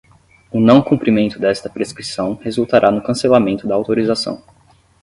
O não cumprimento desta prescrição resultará no cancelamento da autorização.